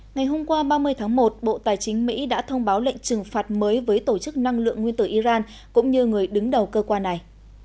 ngày hôm qua ba mươi tháng một bộ tài chính mỹ đã thông báo lệnh trừng phạt mới với tổ chức năng lượng nguyên tử iran cũng như người đứng đầu cơ quan này